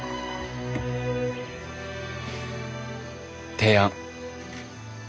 提案。